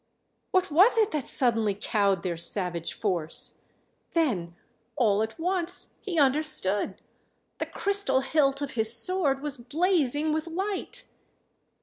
What was it that suddenly cowed their savage force? Then all at once he understood.... The crystal hilt of his sword was blazing with light!